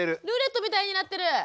ルーレットみたいになってる。